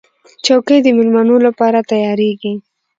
چوکۍ د مېلمنو لپاره تیارېږي.